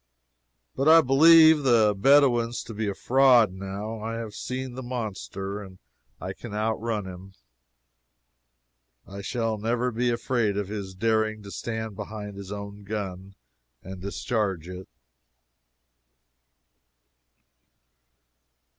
But I believe the Bedouins to be a fraud, now. I have seen the monster, and I can outrun him. I shall never be afraid of his daring to stand behind his own gun and discharge it.